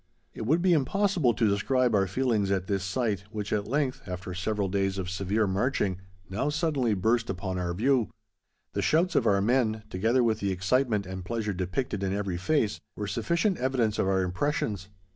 It would be impossible to describe our feelings at this sight, which at length, after several days of severe marching, now suddenly burst upon our view. The shouts of our men, together with the excitement and pleasure depicted in every face, were sufficient evidence of our impressions.